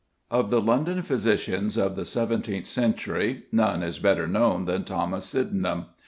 ] Of the London physicians of the seventeenth century none is better known than =Thomas Sydenham=.